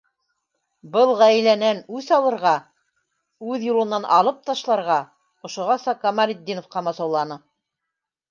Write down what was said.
Был ғаиләнән үс алырға, үҙ юлынан алып ташларға ошоғаса Камалетдинов ҡамасауланы.